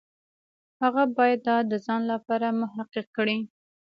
هغه باید دا د ځان لپاره محقق کړي.